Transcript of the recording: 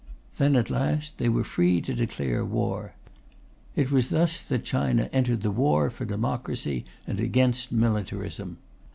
Then at last they were free to declare war. It was thus that China entered the war for democracy and against militarism.